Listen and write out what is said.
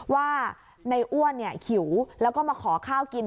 ว่าในอ้วนหิวแล้วก็มาขอข้าวกิน